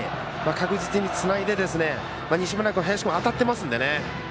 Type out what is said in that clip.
確実につないで、西村君、林君当たってますのでね。